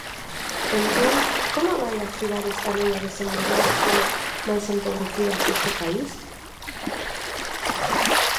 Entón, ¿como vai axudar esta lei a desenvolver as zonas máis empobrecidas deste país?